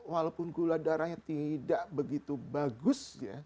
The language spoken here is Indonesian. walaupun gula darahnya tidak begitu bagus